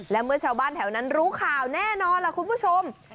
และเมื่อชาวบ้านแถวนั้นรู้ข่าวแน่นอนล่ะคุณผู้ชม